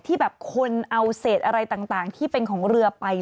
ที่แบบคนเอาเศษอะไรต่างที่เป็นของเรือไป